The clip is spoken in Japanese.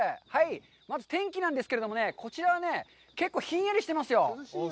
まず天気なんですけれどもね、こちらはね、結構ひんやりしてますよ。